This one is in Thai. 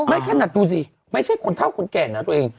ไม่แค่หนัดดูสิไม่ใช่คนเท่าคนแก่น่ะตัวเอง